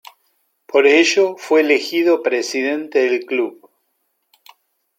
Por ello fue elegido Presidente del club.